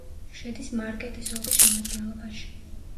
შედის მარკეტის ოლქის შემადგენლობაში.